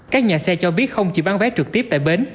các nhà xe cho biết không chỉ bán vé trực tiếp tại bến